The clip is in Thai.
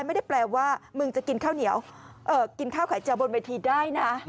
ไม่ได้แปลว่ามึงจะกินข้าวเหนียวกินข้าวไข่เจียวบนเวทีได้นะ